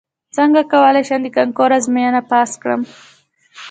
څنګه کولی شم د کانکور ازموینه پاس کړم